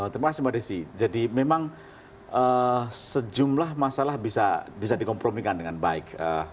terima kasih mbak desi jadi memang sejumlah masalah bisa dikompromikan dengan baik